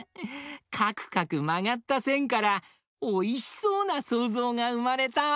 かくかくまがったせんからおいしそうなそうぞうがうまれた！